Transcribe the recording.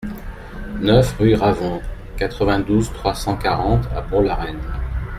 neuf rue Ravon, quatre-vingt-douze, trois cent quarante à Bourg-la-Reine